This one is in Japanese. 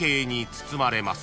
包まれます］